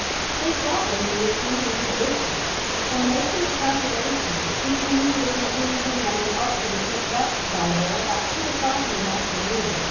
They thought they knew even her distance, and making a calculation, we came to the conclusion that we ought to be picked up by her about two o'clock in the afternoon.